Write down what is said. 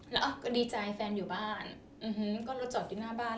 แล้วก็ดีใจแฟนอยู่บ้านก็รถจอดอยู่หน้าบ้าน